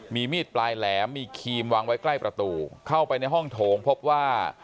มีมีดปลายแหลมมีครีมวางไว้ใกล้ประตูเข้าไปในห้องโถงพบว่า